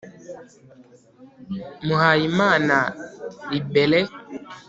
muhayimana libérée